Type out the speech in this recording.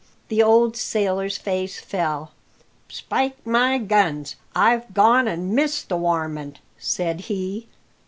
The old sailor's face fell. "Spike my guns, I've gone and missed the warmint!" said he.